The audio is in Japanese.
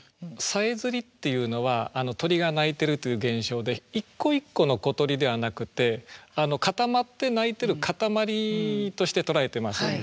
「囀」っていうのは鳥が鳴いてるという現象で一個一個の小鳥ではなくて固まって鳴いてる固まりとして捉えてます。